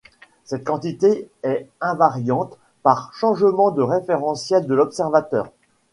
Cette quantité est invariante par changement de référentiel de l'observateur.